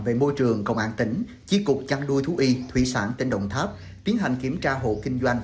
về môi trường công an tỉnh chi cục chăn nuôi thú y thủy sản tỉnh đồng tháp tiến hành kiểm tra hộ kinh doanh